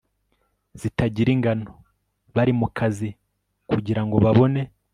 zitagira ingano bari mu kazi kugira ngo babone